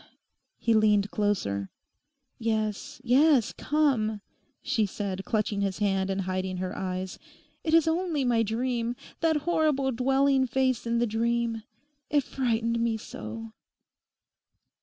He leaned closer. 'Yes, yes, come,' she said, clutching his hand and hiding her eyes; 'it is only my dream—that horrible, dwelling face in the dream; it frightened me so.